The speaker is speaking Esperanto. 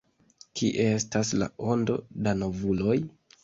Kie estas la ondo da novuloj?